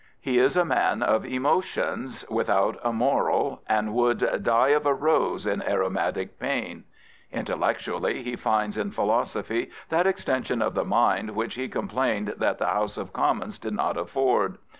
He is a man of emotions, without a moral, and would Die of a rose in aironj^tic pain." Intellectually, he finds in philosophy that extension of the mind which he complained that the House of Commons did not afford.